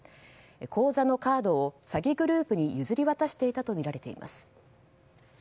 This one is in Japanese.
口座のカードを詐欺グループに譲り渡していたとみられています。